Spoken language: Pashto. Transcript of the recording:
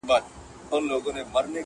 دا دښمن وي د عزت بلا د ځان وي.!